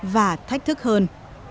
và thách thức hơn